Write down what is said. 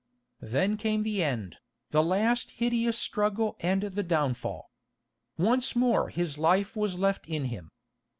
Then came the end, the last hideous struggle and the downfall. Once more his life was left in him.